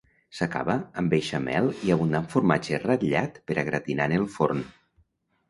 S'acaba amb beixamel i abundant formatge ratllat per a gratinar en el forn.